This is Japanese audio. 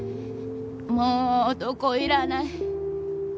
もう男いらない。